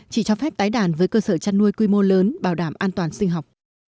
chỉ cho phép tái đàn với cơ sở chăn nuôi quy mô lớn bảo đảm an toàn sinh học